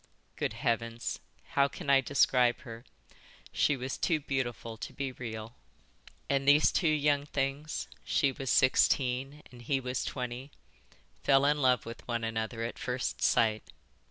Good Heavens, how can I describe her? She was too beautiful to be real." "And these two young things, she was sixteen and he was twenty, fell in love with one another at first sight.